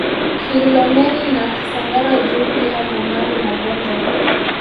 Kilomeni na Kisangara juu pia Vumari na Gonja